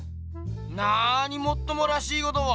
なにもっともらしいことを。